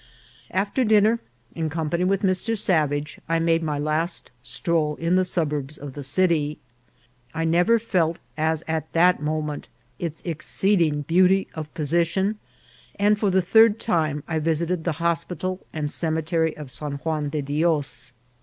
After dinner, in company with Mr. Savage, I made my last stroll in the suburbs of the city. I never felt, as at that moment, its exceeding beauty of position, and for the third time I visited the hospital and cemetery of San Juan de Dios.